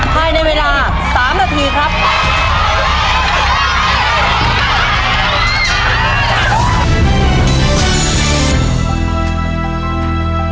ภายในเวลา๓นาทีครับ